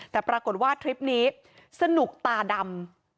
แต่ปรากฏว่าทริปนี้สนุกตาดำ